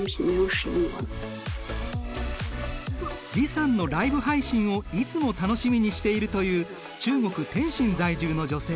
李さんのライブ配信をいつも楽しみにしているという中国・天津在住の女性。